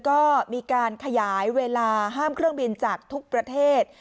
ก็มีการขยายเวลาห้ามเครื่องบินจากทุกประเทศ